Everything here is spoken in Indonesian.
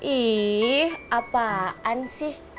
ih apaan sih